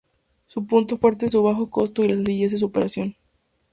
Su punto fuerte es su bajo costo Y la sencillez de su operación.